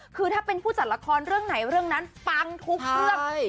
คือถ้าเป็นผู้จัดละครเรื่องไหนเรื่องนั้นปังทุกเรื่อง